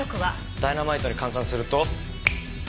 ダイナマイトに換算すると。